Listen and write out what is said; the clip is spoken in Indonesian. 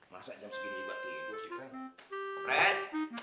masa jam segini juga tidur sih pren